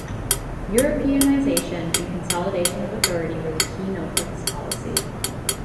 Europeanization and consolidation of authority were the keynote of his policy.